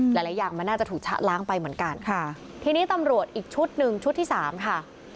หลายหลายอย่างมันน่าจะถูกชะล้างไปเหมือนกันค่ะทีนี้ตำรวจอีกชุดหนึ่งชุดที่สามค่ะ